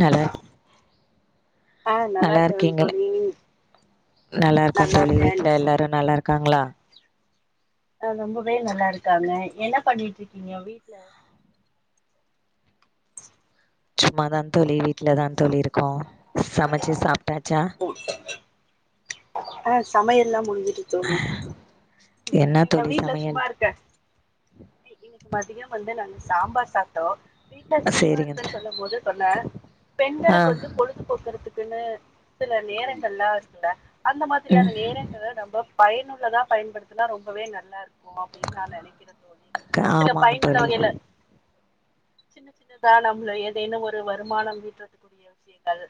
நல்லாரு ஆ நல்லா இருக்கேன் இருக்கீங்கள தோழி நல்லா இருக்கோ தோழி வீட்ல எல்லாரு நல்லா இருக்காங்ளா அ ரொம்பவே நல்லா இருக்காங்க என்ன பண்ணிட்ருக்கீங்க வீட்ல சும்மாதா தோழி வீட்லதா தோழி இருக்கோ சமச்சு சாப்டாச்சா ஆ சமையல்லா மு டிச்சு தோழி என்ன தோழி சமையல் இன்னக்கி மதிய வந்து நாங்க சாம்பார் சாப்டோ வீட்ல சும்மா சேரிங்க த இருக்கன் சொல்லும் போது சொன்ன பெண்களுக்கு வந்து ஆ பொழுதுபோக்குறதுக்குனு சில நேரங்கள்ல இருக்குல்ல அந்த மாதிரியான நேரங்கள. நம்ப பயனுள்ளதா பயன்படுத்துனா ரொம்பவே நல்லாருக்கு அப்டின் நா நெனைக்கிற தோ ஆமாங்கத் தோழி சின்ன சின்னதா நம்மள ஏதேன்னு ஒரு வருமானம் வீட்றதுக்குடிய விஷயங்கள்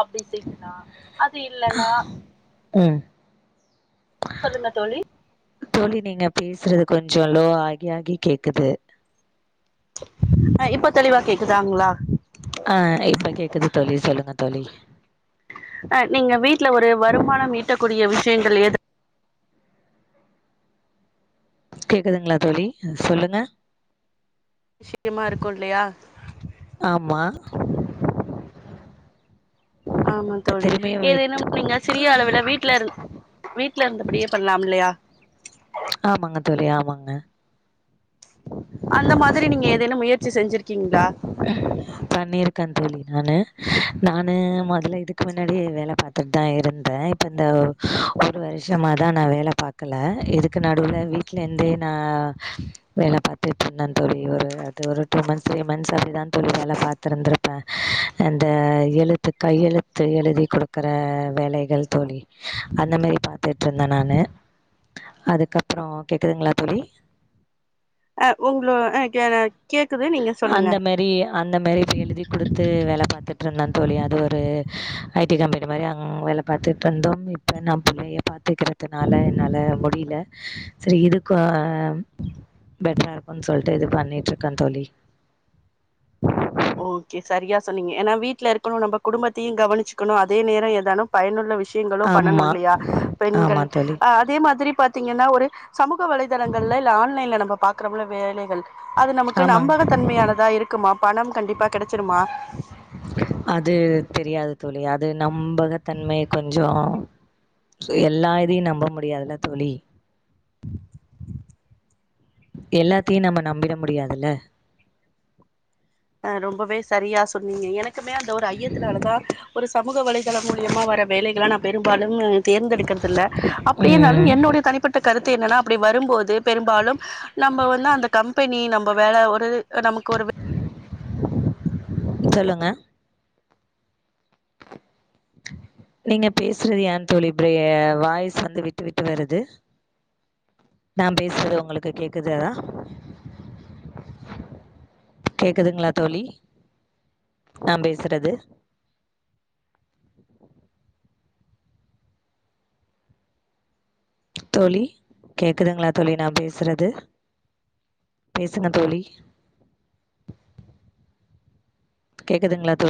அப்படி செய்யலா அது இல்லன்னா ம். சொல்லுங்க தோழி தோழி நீங்க பேசுறது கொஞ்சம் லோ ஆகி ஆகி கேக்குது ஆஹ் இப்ப தெளிவா கேக்குதாங்களா ஆ இப்ப கேக்குது தோழி சொல்லுங்க தோழி. அஹ் நீங்க வீட்டுல ஒரு வருமானம் ஈட்டக்கூடிய விஸ் [unintelligible] கேக்குதுங்களா தோழி சொல்லுங்க சேமா இருக்கு இல்லையா ஆமா ஆமா இப்ப தோழி திரும்பியு விட் ஏதுேனும் நீங்க சிறிய அளவுல வீட்டுல இரு வீட்ல இருந்தபடியே பண்ணலாம் இல்லையா ஆமாங்க தோழி ஆமாங்க வச்சி செஞ்சிருக்கு பண்ணியிருக்கேன் தோழி நானு நானு முதல்ல இதுக்கு முன்னாடி வேலை பார்த்துட்டு தான் இருந்தேன் இப்ப இந்த ஒரு வருஷம தான் நான் வேலை பார்க்கல இதுக்கு நடுவுல வீட்டுல இருந்தே நான் வேலை பார்த்துட்டு இருந்த தோழி ஒரு அது ஒரு டூ மந்த்ஸ் அப்படிதான் தோழி வேலை பாரத்துருந்திருப்பேன் அந்த எழுத்து கையெழுத்து எழுதி கொடுக்குற வேலைகள் தோழி அந்த மாதிரி பாத்துட்டு இருந்தேன் நானு அதுக்கப்புறம் கேக்குதுங்களா தோழி அஹ் உங்கள எனக் அந்த மாரி அந்த மாரி இப்ப எழுதி குடுத்து வேல பாத்துட்டு இருந்தான் தோழி அது ஒரு ஐடி கம்பெனி மாதிரி வேல பாத்துட்டு இருந்தோம் இப்ப நான் புள்ளையை பாத்துக்கிறதுனால என்னால முடியல சரி இதுக்கு பெட்டரா இருக்கும்ன்னு சொல்லிட்டு இது பண்ணிட்டு இருக்கேன் தோழி ஓகே சரியா சொன்னீங்க ஏன்னா வீட்டுல இருக்கணும் நம்ம குடும்பத்தையும் கவனிச்சுக்கணும் அதே நேரம் ஏதானும் பயனுள்ள விஷய ங்களும் பண்ணணும் ஆமா இல்லையா ஆமா பெண்கள் தோழி அதே மாதிரி பாரத்தீங்கன்னா ஒரு சமூக வலைதளங்கள்ல இல்ல ஆன்லைன்ல நம்ம பாக்குறல வேலைகள் அது நமக்கு ஆமாங் நம்பக தன்மையானதா இருக்குமா பணம் கண்டிப்பா கெடச்சிருமா அது தெரியாது தோழி அது நம்பகத்தன்மை கொஞ்சம் எல்லா இதயும் நம்ப முடியாதுல தோழி [inaudible] எல்லாத்தையும் நம்ம நம்பிட முடியாதுல அ ரொம்பவே சரியா சொன்னீங்க எனக்கு மே அந்த ஒரு ஐயத்தினால தான் ஒரு சமூக வலைதளம் மூலியமா வர வேலைகள நான் பெரும்பாலும் தேர்ந்தெடுக்கரதில்ல அப்படியனாலும் ம் என்னுடைய தனிப்பட்ட கருத்து என்னன்னா அப்படி வரும்போது பெரும்பாலும் நம்ம வந்து அந்த கம்பெனி நம்ம வேல ஒரு நமக்கு ஒரு சொல்லுங்க நீங்க பேசுறது ஏன் தோழி வாய்ஸ் வந்து விட்டு விட்டு வருது நான் பேசுறது உங்களுக்கு கேக்குதா கேக்குதுங்களா தோழி நான் பேசுறது தோழி கேக்குதுங்களா தோழி நான் பேசுறது பேசுங்க தோழி கேக்குதுங்களா தோழி